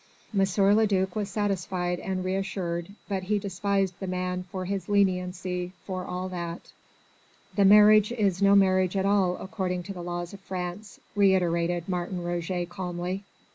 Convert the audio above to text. M. le duc was satisfied and re assured, but he despised the man for his leniency for all that. "The marriage is no marriage at all according to the laws of France," reiterated Martin Roget calmly.